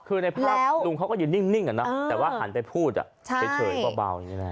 คือในภาพลุงเขาก็ยืนนิ่งอะนะแต่ว่าหันไปพูดเป็นเฉยเบาอย่างงี้แหละ